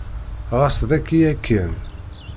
Ɛas daki yakan.